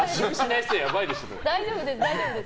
大丈夫です。